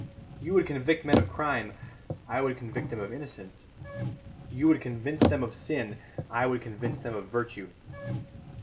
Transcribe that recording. You would convict men of crime, I would convict them of innocence. You would convince them of sin, I would convince them of virtue.